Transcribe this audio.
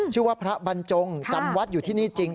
ชื่อว่าพระบรรจงจำวัดอยู่ที่นี่จริง